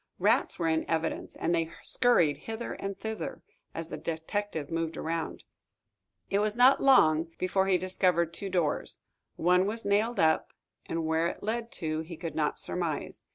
Rats were in evidence, and they scurried hither and thither as the detective moved around. It was not long before he discovered two doors. One was nailed up, and where it led to, he could not surmise.